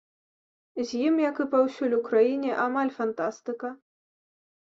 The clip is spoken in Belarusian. З ім, як і паўсюль у краіне, амаль фантастыка.